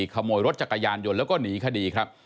ขโมยรถจักรยานยนต์แล้วก็หนีคดีครับ